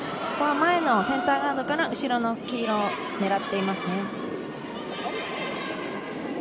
前のセンターガードから後ろの黄色を狙っています。